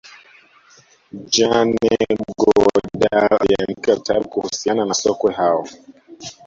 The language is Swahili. jane goodal aliandika vitabu kuhusiana na sokwe hao